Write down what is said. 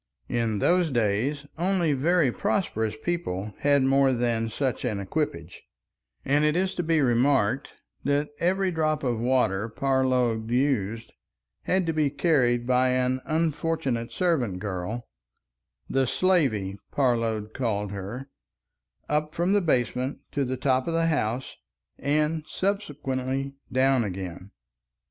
In those days only very prosperous people had more than such an equipage, and it is to be remarked that every drop of water Parload used had to be carried by an unfortunate servant girl,—the "slavey," Parload called her—up from the basement to the top of the house and subsequently down again.